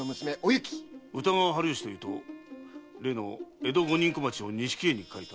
歌川春芳というと例の江戸五人小町を錦絵に描いた？